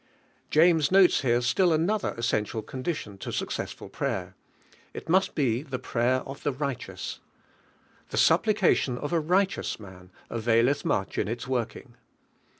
James notes here still another essen tial condition to successful prayer: it must he the prayer of the righteous, "The supplication of a, righteous man availeih much in its working."